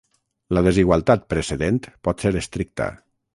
La desigualtat precedent pot ser estricta.